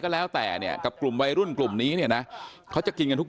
แล้วแต่เนี่ยกับกลุ่มวัยรุ่นกลุ่มนี้เนี่ยนะเขาจะกินกันทุก